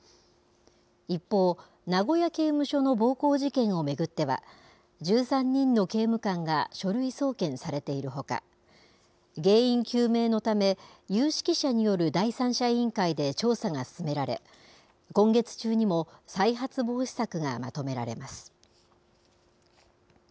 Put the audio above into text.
一方、名古屋刑務所の暴行事件を巡っては、１３人の刑務官が書類送検されているほか、原因究明のため、有識者による第三者委員会で調査が進められ、今月中にも再発防止策がまとめられます。